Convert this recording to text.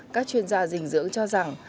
các chuyên gia dinh dưỡng cho rằng